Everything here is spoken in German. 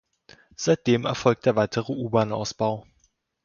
Seitdem erfolgt der weitere U-Bahnausbau.